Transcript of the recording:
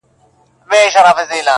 ستا په غېږ کي دوه ګلابه خزانېږي,